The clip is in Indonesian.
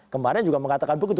kemarin juga mengatakan begitu